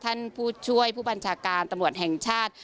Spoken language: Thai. ท่านผู้ช่วยผู้บัญชาการตำรวจแห่งชาติ